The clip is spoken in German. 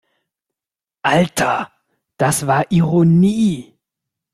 Alter, das war Ironie!